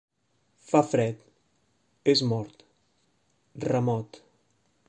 Fa fred, és mort, remot.